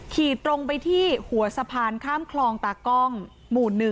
ขี่ตรงไปที่หัวสะพานข้ามคลองตากล้องหมู่๑